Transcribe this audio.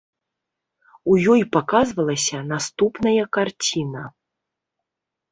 У ёй паказвалася наступная карціна.